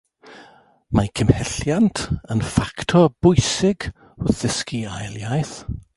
Mae cymhelliant yn ffactor bwysig wrth ddysgu ail iaith